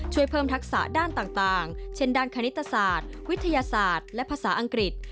ช่วยเพิ่มทักษะด้านต่างเช่นด้านคณิตศาสตร์วิทยาศาสตร์และภาษาอังกฤษ